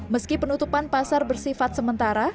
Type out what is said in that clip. meski penutupan pasar bersifat sementara